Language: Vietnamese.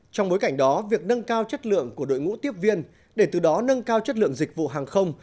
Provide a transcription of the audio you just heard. trong bối cảnh đó việc nâng cao chất lượng của đội ngũ tiếp viên để từ đó nâng cao chất lượng dịch vụ hàng không